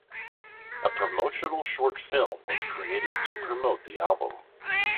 A promotional short film was created to promote the album.